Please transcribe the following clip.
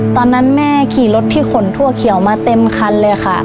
ตอนนั้นแม่ขี่รถที่ขนถั่วเขียวมาเต็มคันเลยค่ะ